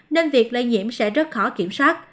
nên việc lây nhiễm sẽ rất khó kiểm soát